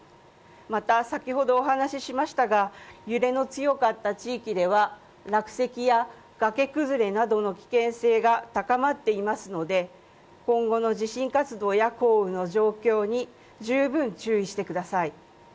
また、先ほどお話しましたが揺れの強かった地域では落石や崖崩れなどの危険性が高まっていますので、今後の地震活動や降雨の状況に十分注意してください。